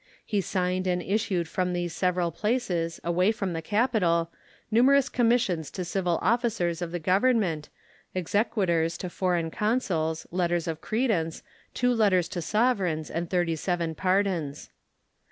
He signed and issued from these several places, away from the capital, numerous commissions to civil officers of the Government, exequaturs to foreign consuls, letters of credence, two letters to sovereigns, and thirty seven pardons.